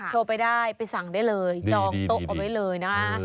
โทรไปได้ไปสั่งได้เลยจองโต๊ะเอาไว้เลยนะ